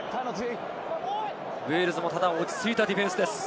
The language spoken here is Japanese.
ウェールズもただ落ち着いたディフェンスです。